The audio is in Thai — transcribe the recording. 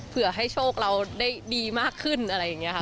เพื่อให้โชคเราได้ดีมากขึ้นอะไรอย่างนี้ค่ะ